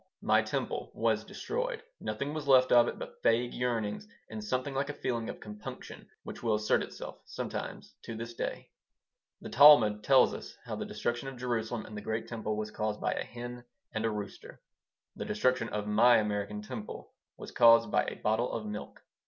My Temple was destroyed. Nothing was left of it but vague yearnings and something like a feeling of compunction which will assert itself, sometimes, to this day The Talmud tells us how the destruction of Jerusalem and the great Temple was caused by a hen and a rooster. The destruction of my American Temple was caused by a bottle of milk.